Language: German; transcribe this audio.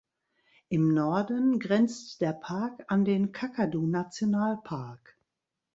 Im Norden grenzt der Park an den Kakadu-Nationalpark.